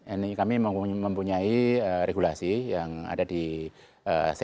ini kami mempunyai regulasi yang ada di tni